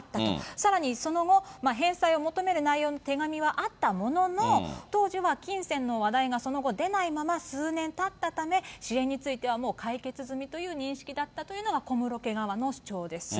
さらにその後、返済を求める内容の手紙があったものの、当時は金銭の話題がその後出ないまま数年たったため、支援についてはもう解決済みという認識だったというのが小室家側の主張です。